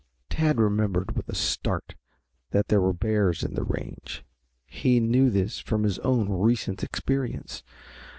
Tad remembered with a start that there were bears in the range. He knew this from his own recent experience.